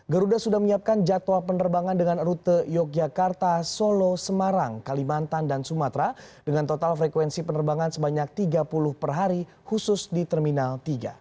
garuda sudah menyiapkan jadwal penerbangan dengan rute yogyakarta solo semarang kalimantan dan sumatera dengan total frekuensi penerbangan sebanyak tiga puluh per hari khusus di terminal tiga